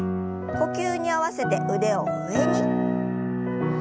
呼吸に合わせて腕を上に。